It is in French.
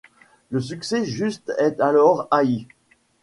Le succès juste est toujours haï